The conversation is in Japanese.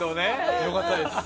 よかったです。